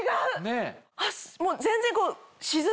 全然。